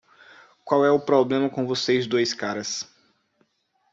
Qual é o problema com vocês dois caras?